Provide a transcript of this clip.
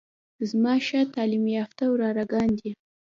زما ښه تعليم يافته وراره ګان دي.